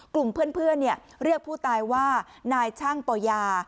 กลุ่มเพื่อนเรียกผู้ตายว่านายช่างโปยา